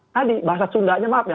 tadi bahasa sundanya maaf ya